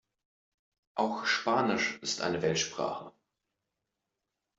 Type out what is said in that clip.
Auch Spanisch ist eine Weltsprache.